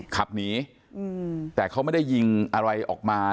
ขับหนีแต่เขาไม่ได้ยิงอะไรออกมา